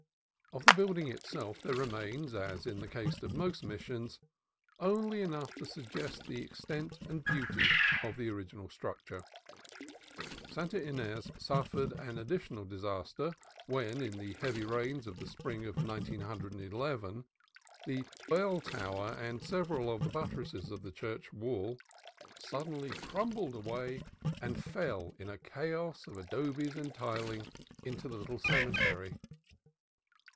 Of the building itself there remains, as in the case of most of the Missions, only enough to suggest the extent and beauty of the original structure. Santa Ines suffered an additional disaster when, in the heavy rains of the spring of 191 1, the bell tower and several of the buttresses of the church wall suddenly 102 CALIFORNIA COAST TRAILS crumbled away and fell in a chaos of adobes and til ing into the little cemetery.